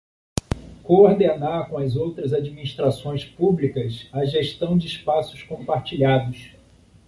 Coordenar com outras administrações públicas a gestão de espaços compartilhados.